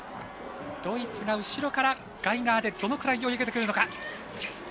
ドイツが後ろからガイガーでどれくらい追い上げてくるのか。